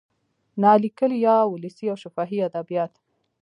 نا لیکلي یا ولسي او شفاهي ادبیات